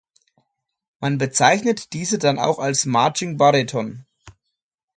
Man bezeichnet diese dann auch als Marching Bariton.